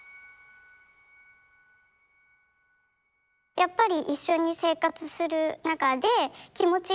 やっぱり一緒に生活する中で気持ちがああ